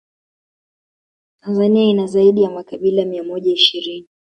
Tanzania ina zaidi ya makabila mia moja ishirini